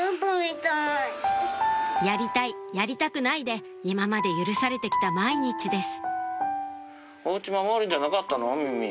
「やりたいやりたくない」で今まで許されてきた毎日です